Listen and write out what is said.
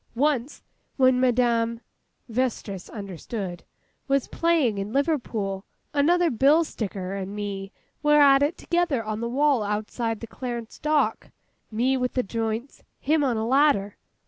Once, when Madame' (Vestris, understood) 'was playing in Liverpool, another bill sticker and me were at it together on the wall outside the Clarence Dock—me with the joints—him on a ladder.